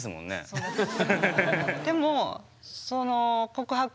そうです。